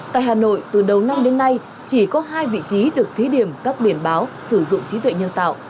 tại hà nội từ đầu năm đến nay chỉ có hai vị trí được thí điểm các biển báo sử dụng trí tuệ nhân tạo